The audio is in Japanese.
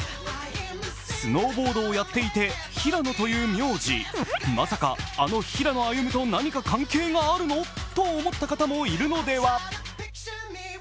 スノーボードをやっていて、平野という名字、まさか、あの平野歩夢と何か関係があるの？と思った方もいるのでは？